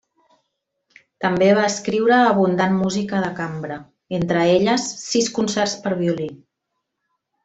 També va escriure abundant música de cambra, entre elles sis concerts per a violí.